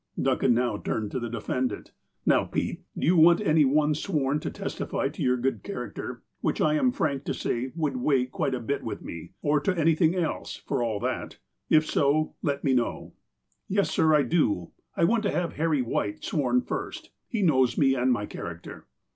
Duncan now turned to the defendant : "Now, Pete, do you want any one sworn to testify to your good character, which I am frank to say would weigh quite a bit with me, or to anything else, for all thati If so, let me know." " Yes, sir, I do. I want to have Harry White sworn first. He knows me and my character."